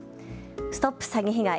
ストップ詐欺被害！